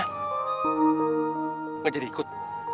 nggak jadi ikut